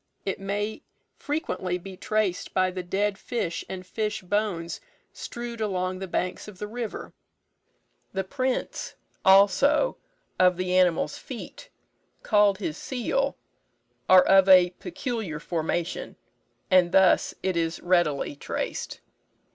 It may frequently be traced by the dead fish and fish bones strewed along the banks of the river. The prints, also, of the animal's feet, called his seal, are of a peculiar formation, and thus it is readily traced.